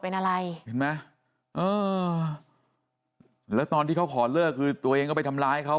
เป็นอะไรเห็นไหมเออแล้วตอนที่เขาขอเลิกคือตัวเองก็ไปทำร้ายเขา